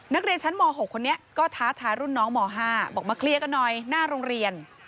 นักเรียนชั้นม๖คนนี้ก็ท้าทายรุ่นน้องม๕บอกมาเคลียร์กันหน่อยหน้าโรงเรียน